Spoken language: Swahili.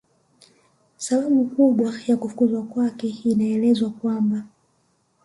Sababu kubwa ya kufukuzwa kwake inaelezwa kwamba